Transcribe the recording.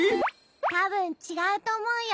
たぶんちがうとおもうよ？